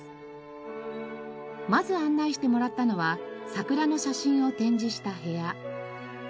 まず案内してもらったのは桜の写真を展示した部屋。